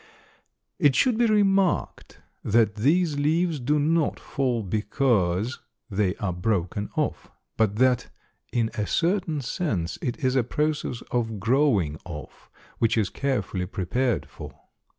It should be remarked that these leaves do not fall because they are broken off, but that in a certain sense it is a process of growing off, which is carefully prepared for.